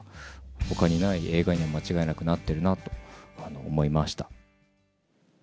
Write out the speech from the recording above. ほかにない映画には、間違いなくなっているなと思いました。